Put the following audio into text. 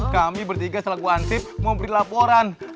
kami bertiga setelah gue hansip mau beli laporan